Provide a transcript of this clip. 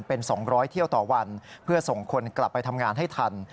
เป็น๒๐๐เที่ยวต่อวันเพื่อส่งคนกลับไปทำงานให้ทัน